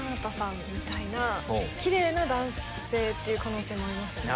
キレイな男性っていう可能性もありますよね。